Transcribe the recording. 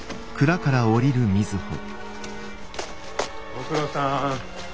ご苦労さん。